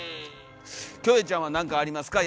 キョエちゃんは何かありますか？